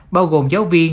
bao gồm giáo viên